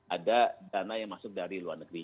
ada dana yang masuk dari luar negeri